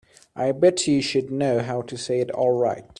I bet you she'd know how to say it all right.